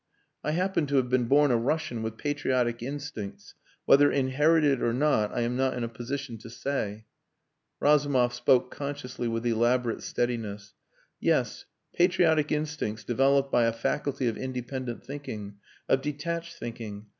I happen to have been born a Russian with patriotic instincts whether inherited or not I am not in a position to say." Razumov spoke consciously with elaborate steadiness. "Yes, patriotic instincts developed by a faculty of independent thinking of detached thinking.